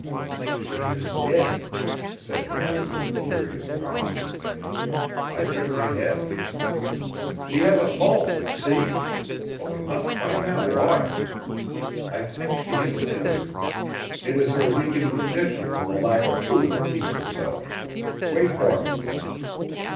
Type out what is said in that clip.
"She is dead," said Harry with a curious calm. I shook my head. "She has a pulse see! But we must find that water. I think she isn't injured; it is her weakened condition from the lack of food that keeps her so. Wait for me."